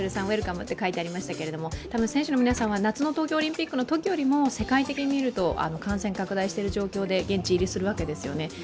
ウェルカムと書いてありましたけど、多分選手の皆さんは夏の東京オリンピックのときよりも世界的に見ると感染拡大している状況で現地入りするわけですよね。